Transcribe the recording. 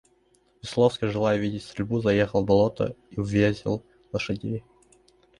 Весловский, желая видеть стрельбу, заехал в болото и увязил лошадей.